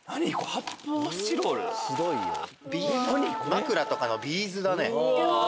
枕とかのビーズだね。